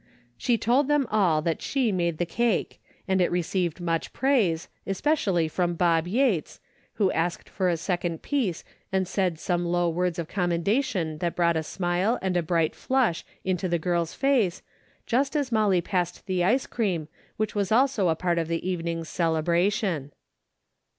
She told them all that she made the cake, and it re ceived much praise, especially from Bob Yates, who asked for a second piece and said some low words of commendation that brought a smile and a bright flush into the girl's face, just as Molly passed the ice cream which was also a part of the evening's cele bration.